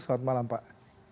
selamat malam pak